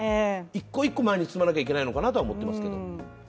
１個１個前に進まないといけないのかなとは思っていますけど。